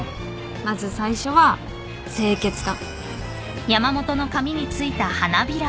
まず最初は清潔感。